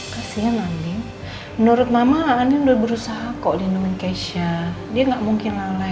kasian andin menurut mama andin udah berusaha kok lindungi keisha dia gak mungkin lalai